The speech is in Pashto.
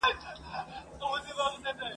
له ګودر څخه مي رنګ د رنجو واخیست !.